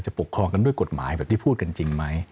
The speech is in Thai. ปกครองกันด้วยกฎหมายแบบที่พูดกันจริงไหม